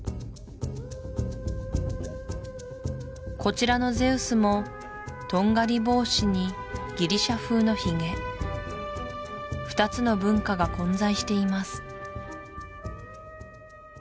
こちらのゼウスもとんがり帽子にギリシア風のひげ２つの文化が混在しています